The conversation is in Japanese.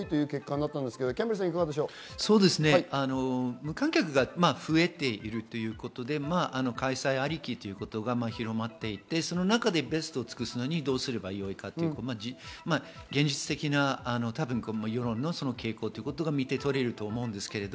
無観客が増えているということで開催ありきということが広まっていて、その中でベストを尽くすのにどうするのが良いかという現実的な世論の傾向ということが見て取れます。